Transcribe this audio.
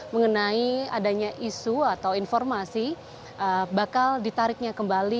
mengenai adanya isu atau informasi bakal ditariknya kembali